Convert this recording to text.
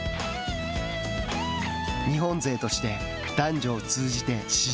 日本勢として、男女を通じて史上